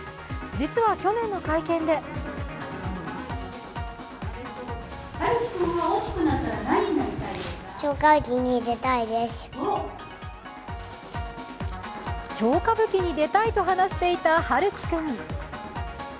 実は去年の会見で超歌舞伎に出たいと話していた陽喜君。